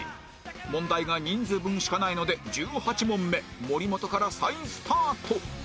問題が人数分しかないので１８問目森本から再スタート